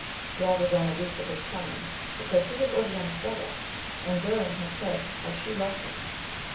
Glad was Amadis of his coming, because he was Oriana's brother, and Durin had said how she loved him.